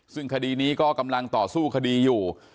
ซึ่งคดีนี้ก็กำลังต่อสู้คดีอยู่